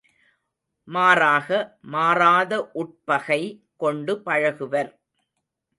மாறாக, மாறாத உட்பகை கொண்டு பழகுவர்!